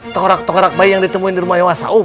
tokorak tokorak bayi yang ditemuin di rumah dewasa um